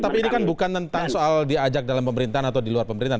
tapi ini kan bukan tentang soal diajak dalam pemerintahan atau di luar pemerintahan